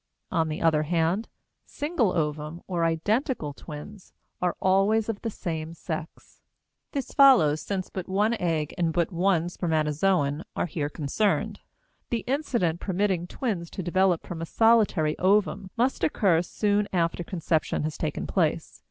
On the other hand, single ovum, or identical, twins are always of the same sex; this follows, since but one egg and but one spermatozoon are here concerned. The incident permitting twins to develop from a solitary ovum must occur soon after conception has taken place.